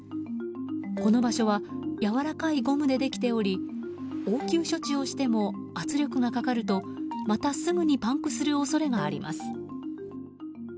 この場所はやわらかいゴムでできており応急処置をしても圧力がかかるとまたすぐにパンクする恐れがあります。